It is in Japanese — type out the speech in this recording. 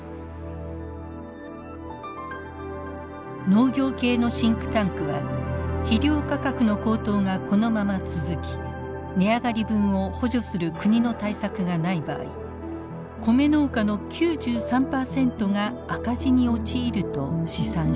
農業系のシンクタンクは肥料価格の高騰がこのまま続き値上がり分を補助する国の対策がない場合コメ農家の９３％が赤字に陥ると試算しています。